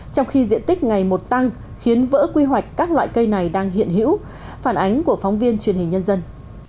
trong khi diện tích ngày một tăng khiến vỡ quy hoạch các loại cây này đang hiện hữu phản ánh của phóng viên truyền hình nhân dân